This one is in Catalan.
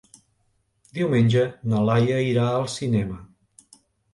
Diumenge na Laia irà al cinema.